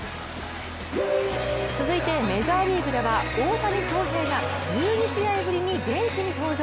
続いてメジャーリーグでは大谷翔平が１２試合ぶりにベンチに登場。